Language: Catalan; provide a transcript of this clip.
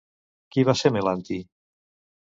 Qui va ser Melanti?